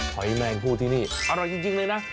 หอยแมงผู้ที่นี่อร่อยจริงเลยนะ